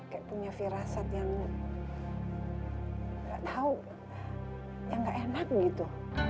kayak punya firasat yang gak tahu yang gak enak gitu